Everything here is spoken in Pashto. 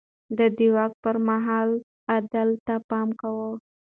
ده د واک پر مهال عدل ته پام کاوه.